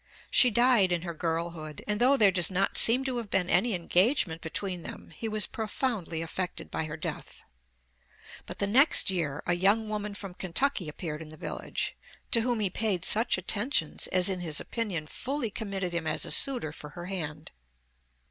She died in her girlhood, and though there does not seem to have been any engagement between them, he was profoundly affected by her death. But the next year a young woman from Kentucky appeared in the village, to whom he paid such attentions as in his opinion fully committed him as a suitor for her hand.